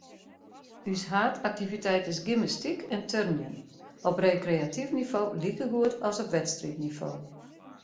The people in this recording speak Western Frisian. Us haadaktiviteit is gymnastyk en turnjen, op rekreatyf nivo likegoed as op wedstriidnivo.